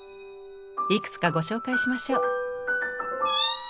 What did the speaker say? いくつかご紹介しましょう。